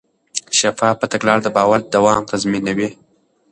شفافه تګلاره د باور دوام تضمینوي.